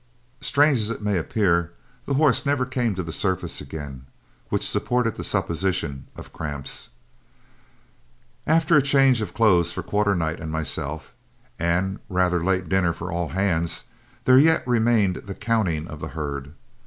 Strange as it may appear, the horse never came to the surface again, which supported the supposition of cramps. After a change of clothes for Quarternight and myself, and rather late dinner for all hands, there yet remained the counting of the herd.